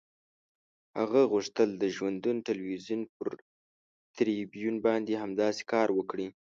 هغه غوښتل د ژوندون تلویزیون پر تریبیون باندې همداسې کار وکړي.